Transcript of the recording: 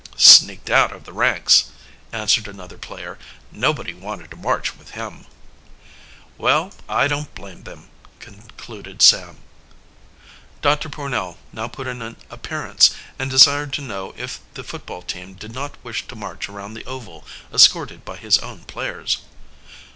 "Sneaked out of the ranks," answered another player. "Nobody wanted to march with him." "Well, I don't blame them," concluded Sam. "Doctor Pornell now put in an appearance and desired to know if the football team did not wish to march around the oval escorted by his own players.